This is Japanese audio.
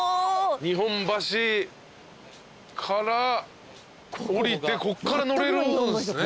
日本橋から下りてこっから乗れるんすね。